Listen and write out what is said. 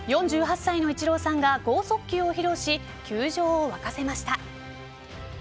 ４８歳のイチローさんが剛速球を披露し球場を沸かせました。